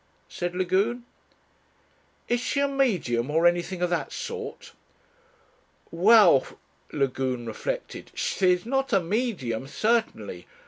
said Lagune. "Is she a medium or anything of that sort?" "Well," Lagune reflected, "She is not a medium, certainly.